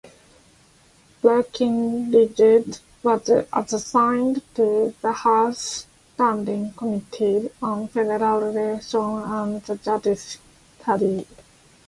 Breckinridge was assigned to the House's standing committees on Federal Relations and the Judiciary.